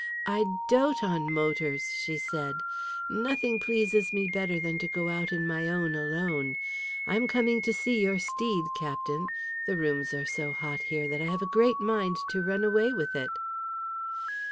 "I dote on motors," she said. "Nothing pleases me better than to go out in my own alone. I am coming to see your steed, Captain. The rooms are so hot here that I have a great mind to run away with it."